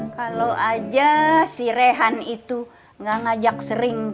kalau aja si rehan itu gak ngajak sering